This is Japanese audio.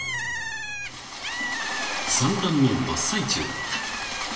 ［産卵の真っ最中だった］